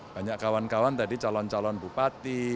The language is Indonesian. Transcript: banyak kawan kawan tadi calon calon bupati